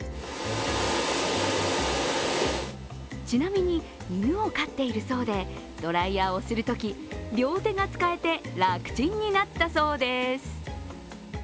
ちなみに犬を飼っているそうで、ドライヤーをするとき両手が使えて楽ちんになったそうです。